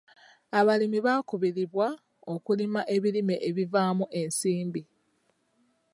Abalimi bakubiribwa okulima ebirime ebivaamu ensimbi.